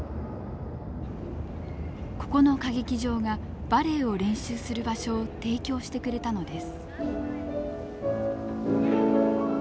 ここの歌劇場がバレエを練習する場所を提供してくれたのです。